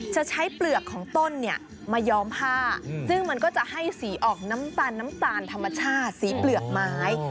จะใช้เปลือกของต้นเนี่ยมายอมผ้าซึ่งมันก็จะให้สีออกน้ำตาลน้ำตาลธรรมชาติสีเปลือกไม้